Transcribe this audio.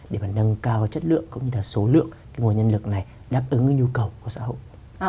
để nâng cao chất lượng cũng như số lượng ngũ nhân lực này đáp ứng nhu cầu của xã hội